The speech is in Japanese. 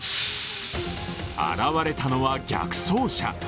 現れたのは逆走車。